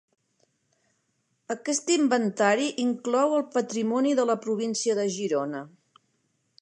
Aquest inventari inclou el patrimoni de la província de Girona.